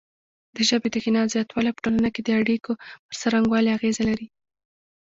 د ژبې د غنا زیاتوالی په ټولنه کې د اړیکو پر څرنګوالي اغیزه لري.